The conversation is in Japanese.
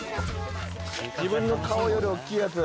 自分の顔より大っきいやつ。